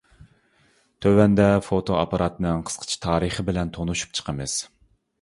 تۆۋەندە فوتو ئاپپاراتنىڭ قىسقىچە تارىخى بىلەن تونۇشۇپ چىقىمىز.